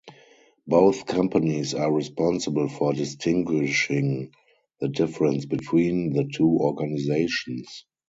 Both companies are responsible for distinguishing the difference between the two organisations.